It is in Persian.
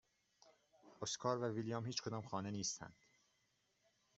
اسکار و ویلیام هیچکدام خانه نیستند.